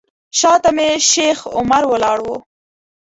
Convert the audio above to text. شاته مې شیخ عمر ولاړ و.